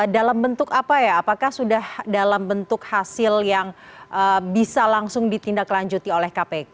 dalam bentuk apa ya apakah sudah dalam bentuk hasil yang bisa langsung ditindaklanjuti oleh kpk